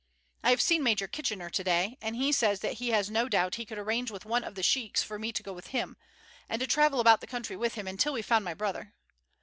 I have seen Major Kitchener to day, and he says that he has no doubt he could arrange with one of the sheiks for me to go with him, and to travel about the country with him until we found my brother.